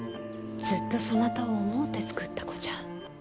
ずっとそなたを思うて作った子じゃ。